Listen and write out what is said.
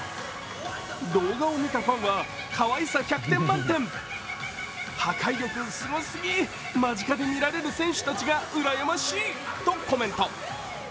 動画を見たファンはかわいさ１００点満点破壊力すごすぎ、間近で見られる選手たちがうらやましいとコメント。